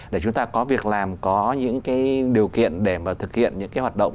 để chúng ta có việc làm có những cái điều kiện để mà thực hiện những cái hoạt động